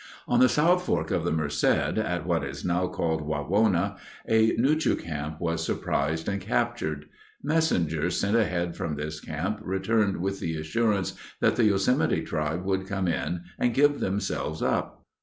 On the South Fork of the Merced, at what is now called Wawona, a Nuchu camp was surprised and captured. Messengers sent ahead from this camp returned with the assurance that the Yosemite tribe would come in and give themselves up.